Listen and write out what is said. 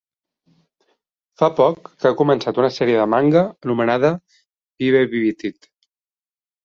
Fa poc que ha començat una sèrie de manga anomenada Bee-be-beat it!